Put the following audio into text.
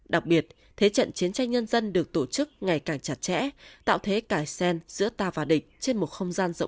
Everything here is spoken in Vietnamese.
đặc biệt thế trận chiến tranh nhân dân được tổ chức ngày càng chặt chẽ tạo thế cải sen giữa ta và địch trên một không gian rộng